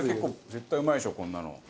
絶対うまいでしょこんなの。